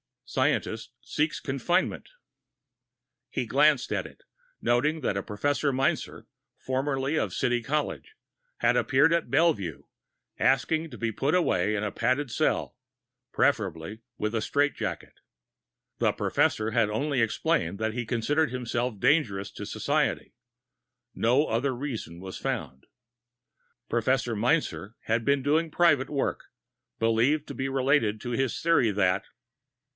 Scientist Seeks Confinement He glanced at it, noting that a Professor Meinzer, formerly of City College, had appeared at Bellevue, asking to be put away in a padded cell, preferably with a strait jacket. The Professor had only explained that he considered himself dangerous to society. No other reason was found. Professor Meinzer had been doing private work, believed to relate to his theory that....